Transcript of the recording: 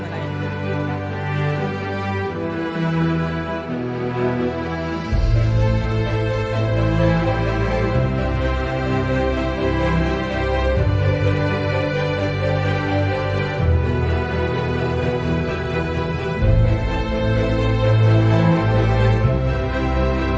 และจับการถึงจินชีวิต